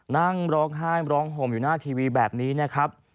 นั่งร้องไห้ร้องห่มอยู่หน้าทีวีแบบนี้นะครับ